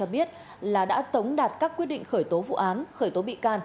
biết là đã tống đạt các quyết định khởi tố vụ án khởi tố bị can